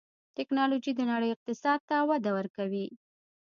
ټکنالوجي د نړۍ اقتصاد ته وده ورکوي.